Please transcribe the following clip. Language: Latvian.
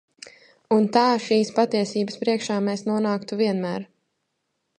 Un tā šīs patiesības priekšā mēs nonāktu vienmēr.